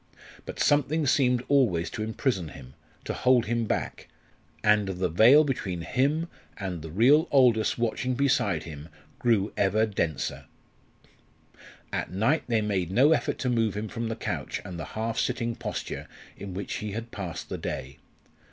But something seemed always to imprison him, to hold him back, and the veil between him and the real Aldous watching beside him grew ever denser. At night they made no effort to move him from the couch and the half sitting posture in which he had passed the day.